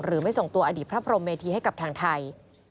ไม่ส่งตัวอดีตพระพรมเมธีให้กับทางไทย